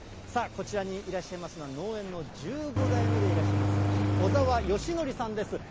さあ、こちらにいらっしゃいますのは、農園の１５代目でいらっしゃいます、小澤祥記さんです。